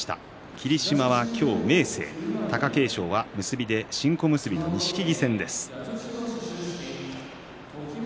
霧島が今日は明生で貴景勝は結びで新小結の錦木戦です。